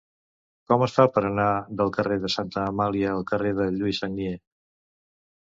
Com es fa per anar del carrer de Santa Amàlia al carrer de Lluís Sagnier?